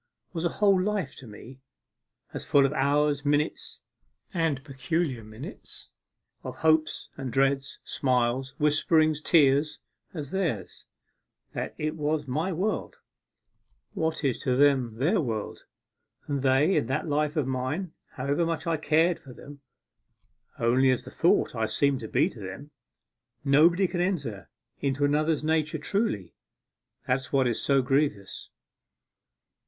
was a whole life to me; as full of hours, minutes, and peculiar minutes, of hopes and dreads, smiles, whisperings, tears, as theirs: that it was my world, what is to them their world, and they in that life of mine, however much I cared for them, only as the thought I seem to them to be. Nobody can enter into another's nature truly, that's what is so grievous.